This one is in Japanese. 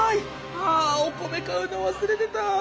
あお米買うのわすれてた。